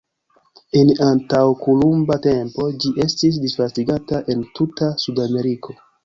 En antaŭkolumba tempo ĝi estis disvastigata en tuta Sudameriko.